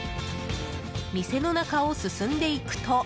店の中を進んでいくと。